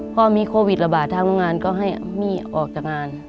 พอมีโควิดระบาดทางโรงงานก็ให้มี่ออกจากงาน